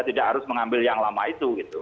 tidak harus mengambil yang lama itu